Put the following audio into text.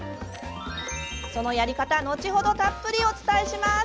そのやり方、後ほどたっぷりお伝えします。